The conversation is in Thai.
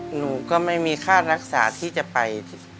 หนูก็ไม่มีค่ารักษาที่จะไป